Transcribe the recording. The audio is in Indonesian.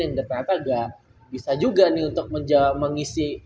yang gak bisa juga nih untuk mengisi